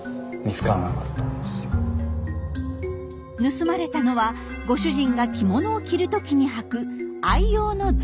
盗まれたのはご主人が着物を着る時に履く愛用の草履です。